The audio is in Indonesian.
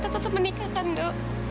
besok kita menikah kan do